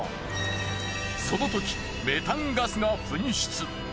そのときメタンガスが噴出。